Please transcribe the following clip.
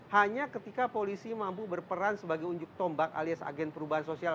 hanya ketika polisi mampu berperan sebagai unjuk tombak alias agen perubahan sosial